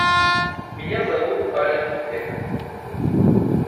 Меня зовут Алек Век.